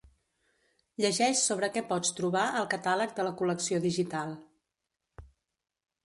Llegeix sobre què pots trobar al catàleg de la Col·lecció Digital.